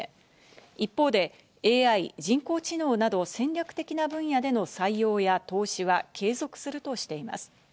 一方でＡＩ＝人工知能など戦略的な分野での採用や投資は継続するとしています。